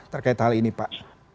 terkait hal ini pak